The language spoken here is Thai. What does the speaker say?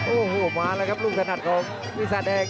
โอ้โหมาแล้วครับลูกถนัดของปีศาจแดง